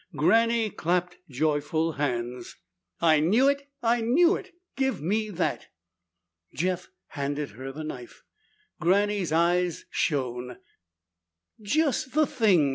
Granny clapped joyful hands. "I knew it! I knew it! Give me that." Jeff handed her the knife. Granny's eyes shone. "Just the thing!"